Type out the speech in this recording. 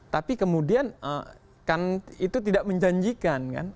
tapi kemudian kan itu tidak menjanjikan kan